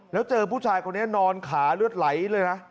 แล้วเจอผู้ชายคนนี้นอนขาเลือดไหลเลยนะ